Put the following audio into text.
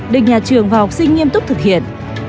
được nhà trường và học sinh nghiêm túc thực hiện